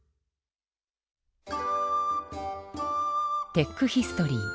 テックヒストリー。